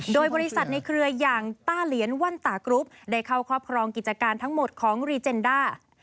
โดยบริษัทในเครืออย่างต้าเหลียนแว่นตากรุ๊ปได้เข้าครอบครองกิจการทั้งหมดของรีเจนด้า